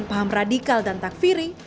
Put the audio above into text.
paham radikal dan takfiri